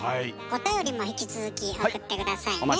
おたよりも引き続き送って下さいね。